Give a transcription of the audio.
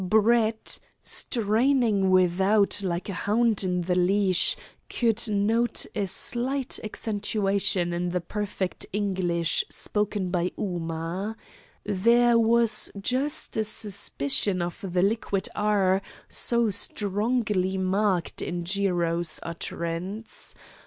Brett, straining without like a hound in the leash, could note a slight accentuation in the perfect English spoken by Ooma. There was just a suspicion of the liquid "r" so strongly marked in Jiro's utterance.